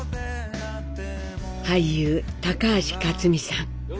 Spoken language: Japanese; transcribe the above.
俳優高橋克実さん。